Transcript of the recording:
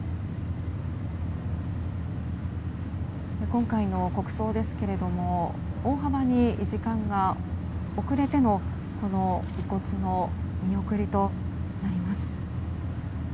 今回の国葬ですけれども大幅に時間が遅れての遺骨の見送りとなります。